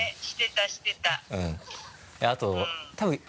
してたしてた。